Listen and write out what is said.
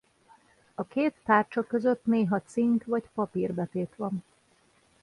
A két tárcsa között néha cink vagy papír betét van.